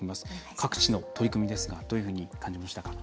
各地の取り組みですがどういうふうに感じましたか？